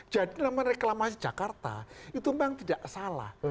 jadi reklamasi jakarta itu memang tidak salah